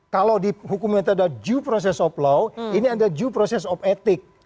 kalau di hukumnya itu ada due process of law ini ada due process of etik